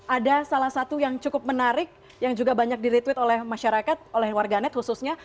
ada salah satu yang cukup menarik yang juga banyak di retweet oleh masyarakat oleh warganet khususnya